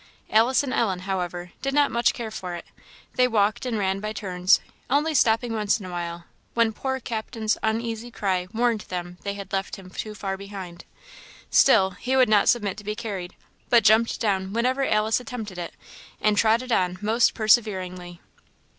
Alice and Ellen, however, did not much care for it; they walked and ran by turns, only stopping once in a while, when poor Captain's uneasy cry warned them they had left him too far behind. Still he would not submit to be carried, but jumped down whenever Alice attempted it, and trotted on most perseveringly.